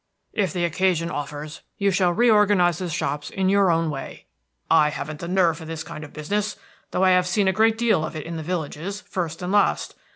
"If the occasion offers, you shall reorganize the shops in your own way. I haven't the nerve for this kind of business, though I have seen a great deal of it in the villages, first and last.